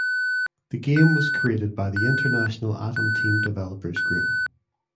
The game was created by the international Atom Team developers group.